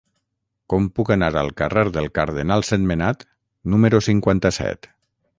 Com puc anar al carrer del Cardenal Sentmenat número cinquanta-set?